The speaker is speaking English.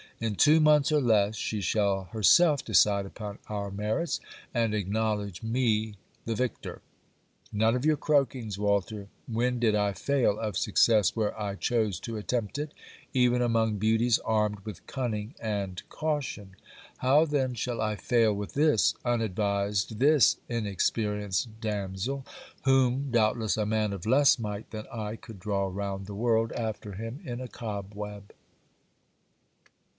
In two months or less, she shall herself decide upon our merits, and acknowledge me the victor. None of your croakings, Walter. When did I fail of success where I chose to attempt it, even among beauties armed with cunning and caution? How then shall I fail with this unadvised, this inexperienced damsel, whom doubtless a man of less might than I could draw round the world after him in a cobweb.